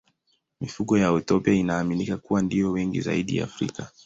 Mifugo ya Ethiopia inaaminika kuwa ndiyo wengi zaidi Afrika.